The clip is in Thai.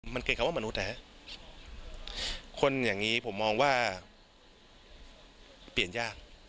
มันเกิดคำว่ามนุษย์นะฮะคนอย่างนี้ผมมองว่าเปลี่ยนยาก